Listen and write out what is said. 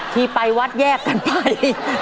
ที่ไปวัดแยกกันไป